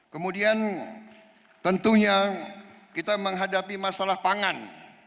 kemudian tentunya kita menghadapi masalah pangan